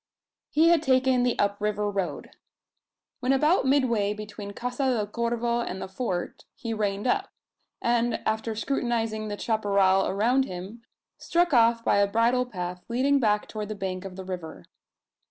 He had taken the up river road. When about midway between Casa del Corvo and the Fort, he reined up; and, after scrutinising the chapparal around him, struck off by a bridle path leading back toward the bank of the river.